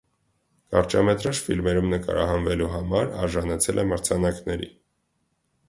Կարճամետրաժ ֆիլմերում նկարահանվելու համար՝ արժանացել է մրցանակների։